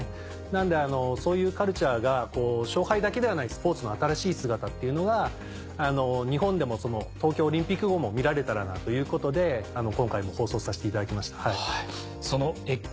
なのでそういうカルチャーが勝敗だけではないスポーツの新しい姿っていうのが日本でも東京オリンピック後も見られたらなということで今回も放送させていただきました。